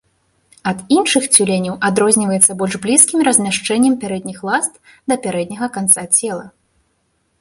Ад іншых цюленяў адрозніваецца больш блізкім размяшчэннем пярэдніх ласт да пярэдняга канца цела.